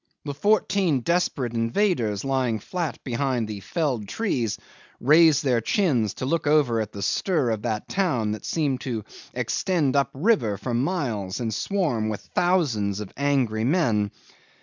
The fourteen desperate invaders lying flat behind the felled trees raised their chins to look over at the stir of that town that seemed to extend up river for miles and swarm with thousands of angry men.